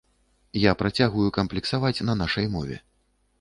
Я працягваю камплексаваць на нашай мове.